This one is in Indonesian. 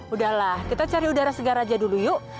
udahlah kita cari udara segar aja dulu yuk